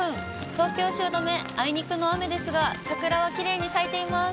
東京・汐留、あいにくの雨ですが、桜はきれいに咲いています。